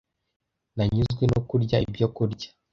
Nanyuzwe no kurya ibyokurya.